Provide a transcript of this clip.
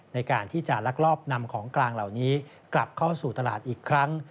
ในการที่จะลักลอบนำของกลางเหล่านี้กลับเข้าสู่ตลาดอีกครั้ง